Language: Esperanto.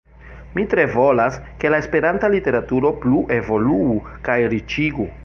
Mi tre volas, ke la Esperanta literaturo plu evoluu kaj riĉiĝu.